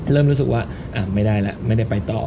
เริ่มรู้สึกว่าไม่ได้แล้วไม่ได้ไปต่อ